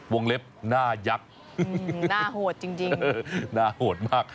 เล็บหน้ายักษ์หน้าโหดจริงน่าโหดมาก